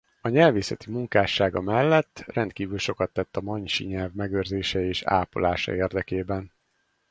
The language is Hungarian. A nyelvészeti munkássága mellett rendkívül sokat tett a manysi nyelv megőrzése és ápolása érdekében.